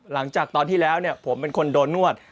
หลังจากตอนที่แล้วผมเป็นคนโดนนวด